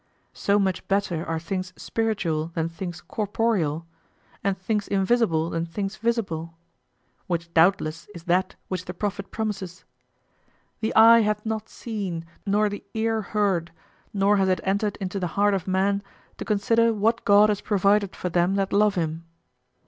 So much better are things spiritual than things corporeal, and things invisible than things visible; which doubtless is that which the prophet promises: "The eye hath not seen, nor the ear heard, nor has it entered into the heart of man to consider what God has provided for them that love Him."